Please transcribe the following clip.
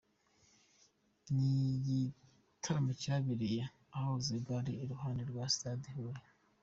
Ni igitaramo cyabereye ahahoze gare iruhande rwa stade ya Huye.